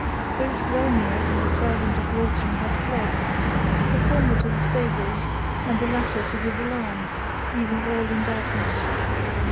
Both Wellmere and the servant of Lawton had fled: the former to the stables, and the latter to give the alarm, leaving all in darkness.